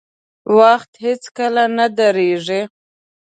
• وخت هیڅکله نه درېږي.